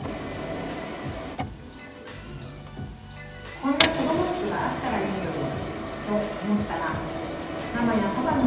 「こんなこども服があったらいいのに」と思ったらママやパパの服で作れるかもしれません。